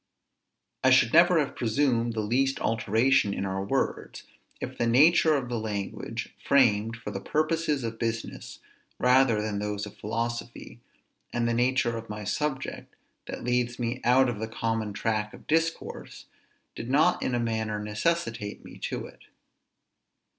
I should never have presumed the least alteration in our words, if the nature of the language, framed for the purposes of business rather than those of philosophy, and the nature of my subject, that leads me out of the common track of discourse, did not in a manner necessitate me to it.